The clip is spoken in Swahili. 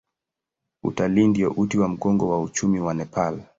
Utalii ndio uti wa mgongo wa uchumi wa Nepal.